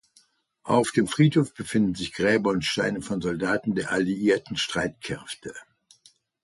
Auf dem Friedhof befinden sich Gräber und Steine von Soldaten der alliierten Streitkräfte.